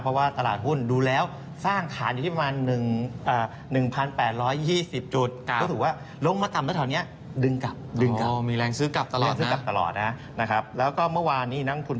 เพราะว่าตลาดหุ้นดูแล้วสร้างฐานอยู่ที่ประมาณ๑๘๒๐จุด